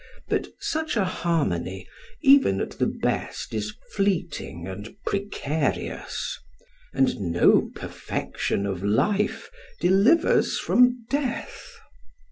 But such a harmony, even at the best, is fleeting and precarious; and no perfection of life delivers from death.